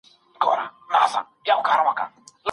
خپل ذهن له خوږو او مثبتو خاطرو ډک کړئ.